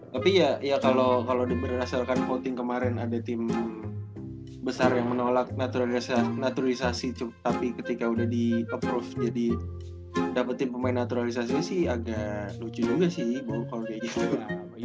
tapi ya kalau berdasarkan voting kemarin ada tim besar yang menolak naturalisasi tapi ketika udah di approve jadi dapetin pemain naturalisasi sih agak lucu juga sih kalau kayak gitu